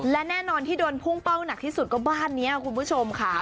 และแน่นอนที่โดนพุ่งเป้าหนักที่สุดก็บ้านนี้คุณผู้ชมค่ะ